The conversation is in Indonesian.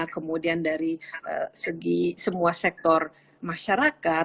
kemudian dari segi semua sektor masyarakat